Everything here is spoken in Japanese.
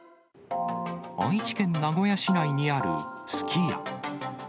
愛知県名古屋市内にあるすき家。